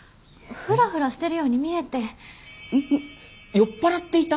酔っ払っていた？